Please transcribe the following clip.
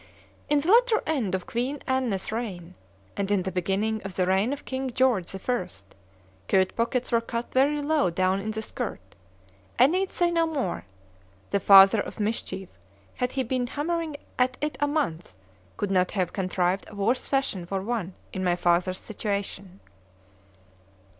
In the latter end of Queen Anne's reign, and in the beginning of the reign of King George the first—"Coat pockets were cut very low down in the skirt."—I need say no more—the father of mischief, had he been hammering at it a month, could not have contrived a worse fashion for one in my father's situation.